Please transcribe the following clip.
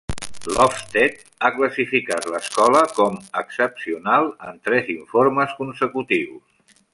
L'Ofsted ha classificat l'escola com "Excepcional" en tres informes consecutius.